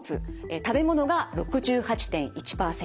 食べ物が６８．１％。